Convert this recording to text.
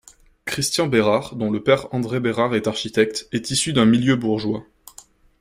Christian Bérard, dont le père André Bérard est architecte, est issu d'un milieu bourgeois.